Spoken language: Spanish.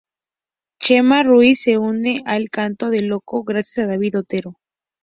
Chema Ruiz se une a El Canto del Loco gracias a David Otero.